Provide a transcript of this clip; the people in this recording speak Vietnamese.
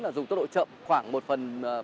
là dùng tốc độ chậm khoảng một phần ba mươi